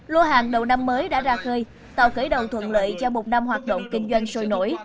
lô hàng đầu năm mới đã ra khơi tạo cới đầu thuận lợi cho một năm hoạt động kinh doanh sôi nổi